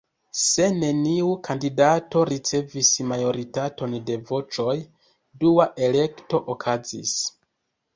Se neniu kandidato ricevis majoritaton de voĉoj, dua elekto okazis.